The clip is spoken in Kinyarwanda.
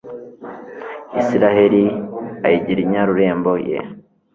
Israheli ayigira inyarurembo ye